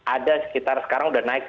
ada sekitar sekarang sudah naik